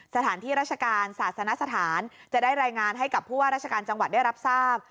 สถานที่ราชการศาสนสถานจะได้รายงานให้กับผู้ว่าราชการจังหวัดได้รับทราบ